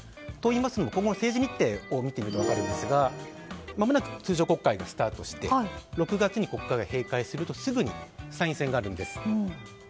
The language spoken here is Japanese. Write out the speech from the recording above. といいますのも今後の政治日程を見てみると分かりますがまもなく通常国会がスタートして６月に国会が閉会するとすぐに参院選があるんです。